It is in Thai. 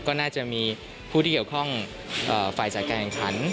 ก็น่าจะมีผู้ที่เกี่ยวข้องฝ่ายจัดการแข่งขัน